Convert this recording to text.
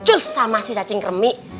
lucu sama si cacing krami